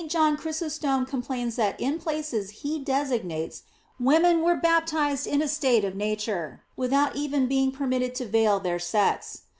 John Chrysostom complains that in places he designates, women were baptized in a state of nature, without even being permitted to veil their sex.